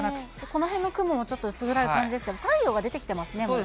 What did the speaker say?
この辺の雲もちょっと薄暗い感じですけど、太陽が出てきてますね、もう。